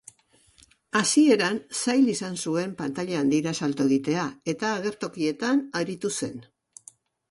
Hasieran zail izan zuen pantaila handira salto egitea eta agertokietan aritu zen.